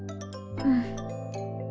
うん。